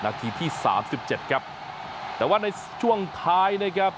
นาทีที่สามสิบเจ็ดครับแต่ว่าในช่วงท้ายนะครับ